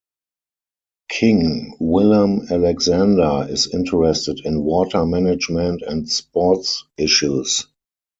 King Willem-Alexander is interested in water management and sports issues.